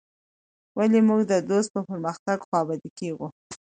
ولي موږ د دوست په پرمختګ خوابدي کيږو.